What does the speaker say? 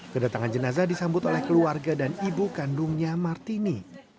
kedatangan jenazah disambut oleh keluarga dan ibu kandungnya martini